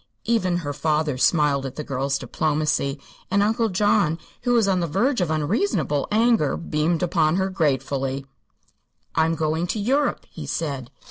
Even her father smiled at the girl's diplomacy, and Uncle John, who was on the verge of unreasonable anger, beamed upon her gratefully. "I'm going to Europe," he said.